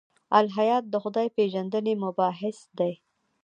الهیات د خدای پېژندنې مباحث دي.